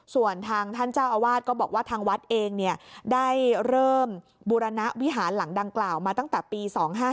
ส่วนทางท่านเจ้าอาวาสก็บอกว่าทางวัดเองได้เริ่มบูรณวิหารหลังดังกล่าวมาตั้งแต่ปี๒๕๕